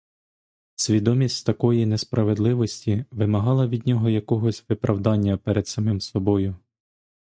Свідомість такої несправедливості вимагала від нього якогось виправдання перед самим собою.